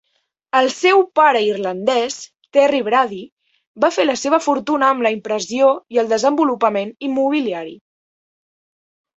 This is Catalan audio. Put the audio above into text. El seu pare irlandès, Terry Brady, va fer la seva fortuna amb la impressió i el desenvolupament immobiliari.